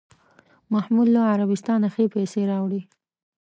محمود له عربستانه ښې پسې راوړې.